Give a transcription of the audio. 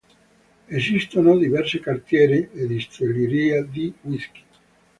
Esistono diverse cartiere e distillerie di whiskey.